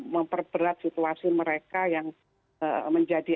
memperberat situasi mereka yang menjadi